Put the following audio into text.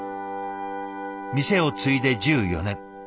店を継いで１４年。